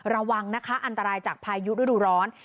ระวังนะคะอันตรายจากพายุฤดูร้อน